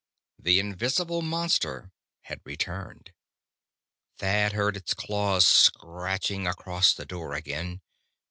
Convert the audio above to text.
The invisible monster had returned. Thad heard its claws scratching across the door again.